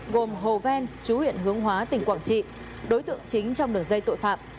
gồm hồ ven chú huyện hướng hóa tỉnh quảng trị đối tượng chính trong đường dây tội phạm